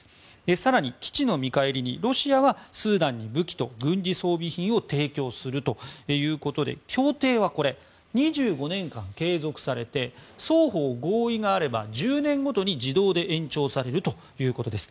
更に、基地の見返りにロシアはスーダンに武器と軍事装備品を提供するということで協定は、２５年間継続されて双方合意があれば１０年ごとに自動で延長されるということです。